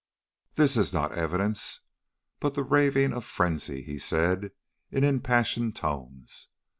"This is not evidence, but the raving of frenzy," he said, in impassioned tones.